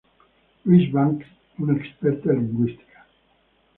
Louise Banks, una experta lingüista.